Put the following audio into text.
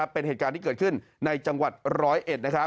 เป็นเหตุการณ์ที่เกิดขึ้นในจังหวัดร้อยเอ็ด